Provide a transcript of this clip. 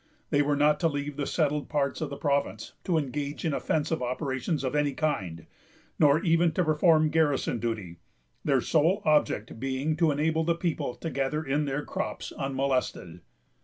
They were not to leave the settled parts of the province to engage in offensive operations of any kind, nor even to perform garrison duty; their sole object being to enable the people to gather in their crops unmolested.